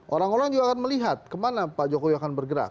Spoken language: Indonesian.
orang orang juga akan melihat kemana pak jokowi akan bergerak